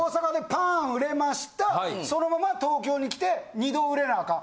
そのまま東京に来て２度売れなアカン。